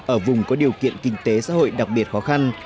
ở vùng có điều kiện kinh tế xã hội đặc biệt khó khăn